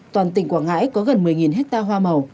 toàn tỉnh quảng ngãi có gần một mươi hectare hoa màu